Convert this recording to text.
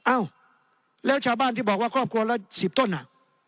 อ้าวแล้วชาวบ้านที่บอกว่าครอบครัวละ๑๐ต้นอ่ะ